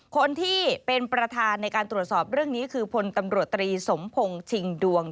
คนที่เป็นประธานในการตรวจสอบเรื่องนี้คือพลตำรวจตรีสมพงศ์ชิงดวง